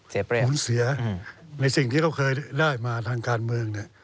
เสียเปรี้ยวเหมือนเสียอืมในสิ่งที่เขาเคยได้มาทางการเมืองเนี่ย